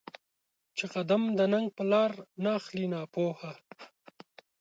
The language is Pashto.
چې قـــــدم د ننــــــــګ په لار ناخلې ناپوهه